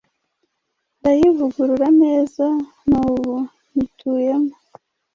ndayivugurura neza n’ubu nyituyemo